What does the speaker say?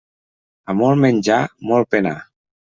A molt menjar, molt penar.